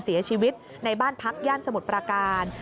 เสียชีวิตในบ้านพักย่านสมุทรประการ